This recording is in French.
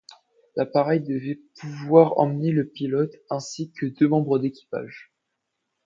L'appareil devait pouvoir emmener le pilote, ainsi que deux membres d’équipage.